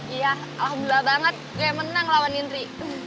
iya alhamdulillah banget gue yang menang lawan indri